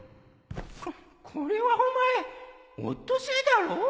ここれはお前オットセイだろ